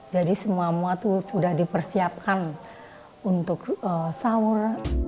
jadi semua mua itu sudah dipersiapkan untuk sahur